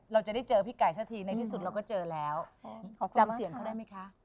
เราจะได้เจอพี่ไก่สักทีในที่สุดเราก็เจอแล้วจำเสียงเขาได้ไหมคะ